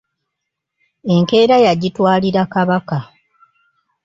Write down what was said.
Enkeera n’agyitwalira Kabaka.